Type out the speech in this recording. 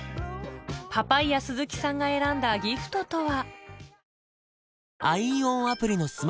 パパイヤ鈴木さんが選んだギフトとは？